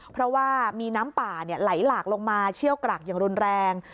เพราะว่ามีน้ำป่าไหลหลากลงมาเชี่ยวกรากอย่างรุนแรง